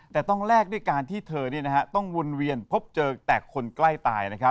แต่ต้องแลกด้วยการที่เธอต้องวนเวียนพบเจอแต่คนใกล้ตาย